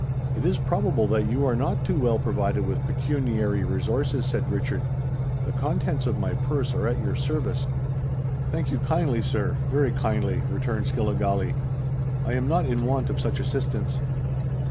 "It is probable that you are not too well provided with pecuniary resources," said Richard: "the contents of my purse are at your service." "Thank you kindly, sir—very kindly," returned Skilligalee. "I am not in want of such assistance."